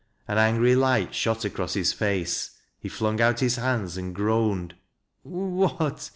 An angry light shot across his face. He flung out his hands and groaned : "What!"